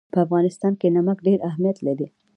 په افغانستان کې نمک ډېر اهمیت لري.